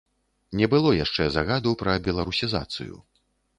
Не было яшчэ загаду пра беларусізацыю.